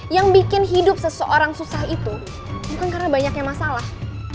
yang bikin hidup seseorang susah itu bukan karena banyaknya masalah